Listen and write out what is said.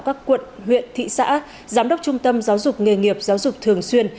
các quận huyện thị xã giám đốc trung tâm giáo dục nghề nghiệp giáo dục thường xuyên